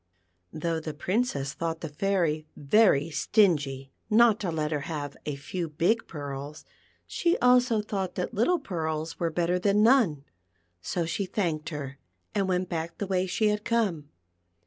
Though the Princess thought the Fairy very stingy not to let her have a few big pearls, she also thought that little pearls were better than none, so she thanked her, and went back the way she had come.